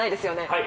はい